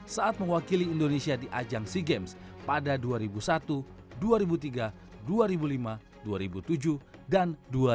saat mewakili indonesia di ajang sea games pada dua ribu satu dua ribu tiga dua ribu lima dua ribu tujuh dan dua ribu dua